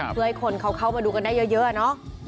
เพื่อให้คนเขาเข้ามาดูกันได้เยอะเนอะ